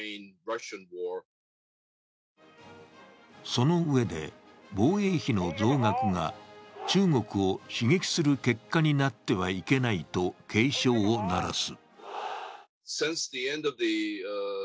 そのうえで、防衛費の増額が中国を刺激する結果になってはいけないと警鐘を鳴らす。